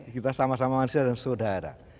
kita sama sama manusia dan saudara